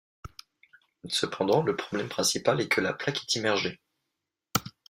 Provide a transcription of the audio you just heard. Cependant, le problème principal est que la plaque est immergée.